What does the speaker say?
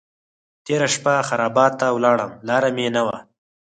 تېره شپه خرابات ته ولاړم لار مې نه وه.